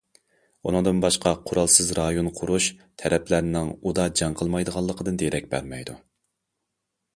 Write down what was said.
ئۇنىڭدىن باشقا،« قورالسىز رايون» قۇرۇش تەرەپلەرنىڭ ئۇدا جەڭ قىلمايدىغانلىقىدىن دېرەك بەرمەيدۇ.